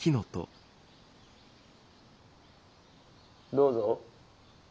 どうぞ。